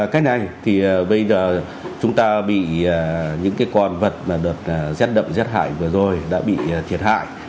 cách này thì bây giờ chúng ta bị những cái con vật mà được giết đậm giết hại vừa rồi đã bị thiệt hại